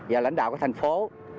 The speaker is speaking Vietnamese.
và lãnh đạo của thành phố